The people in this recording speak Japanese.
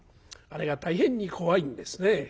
あれが大変に怖いんですね。